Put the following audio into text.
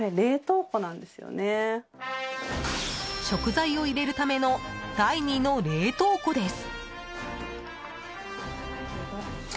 食材を入れるための第２の冷凍庫です。